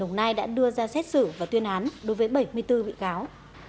ngài đã đưa ra xét xử và tuyên án đối với bảy mươi bốn bị cáo